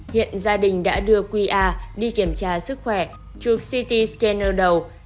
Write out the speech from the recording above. hiện gia đình đã đưa qa đi kiểm tra sức khỏe trục ct scanner đầu